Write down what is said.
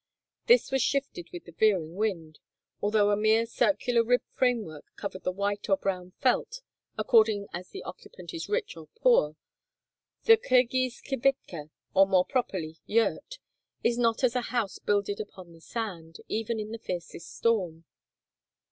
This was shifted with the veering wind. Although a mere circular rib framework covered with white or brown felt, according as the occupant is rich or poor, the Kirghiz kibitka, or more properly yurt, is not as a house builded upon the sand, even in the fiercest storm.